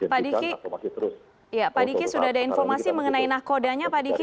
pak diki pak diki sudah ada informasi mengenai nahkodanya pak diki